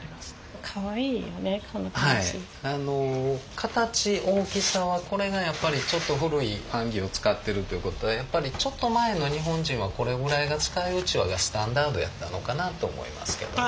形大きさはこれがやっぱりちょっと古い版木を使ってるっていう事でやっぱりちょっと前の日本人はこれぐらいが使いうちわがスタンダードやったのかなと思いますけどね。